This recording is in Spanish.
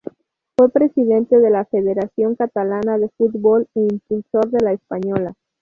Fue presidente de la Federación Catalana de Fútbol e impulsor de la española.